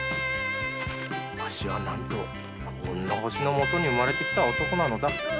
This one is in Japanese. わしは何と幸運な星のもとに生まれてきた男なのだ。